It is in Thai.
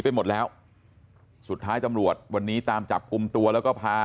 ไปหมดแล้วสุดท้ายตำรวจวันนี้ตามจับกลุ่มตัวแล้วก็พา